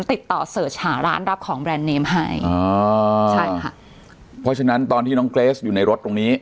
ติดต่อเสิร์ชหาร้านรับของแบรนด์เนมให้อ๋อใช่ค่ะเพราะฉะนั้นตอนที่น้องเกรสอยู่ในรถตรงนี้